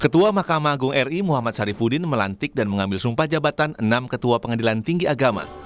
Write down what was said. ketua mahkamah agung ri muhammad sarifudin melantik dan mengambil sumpah jabatan enam ketua pengadilan tinggi agama